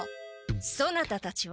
そなたたちは？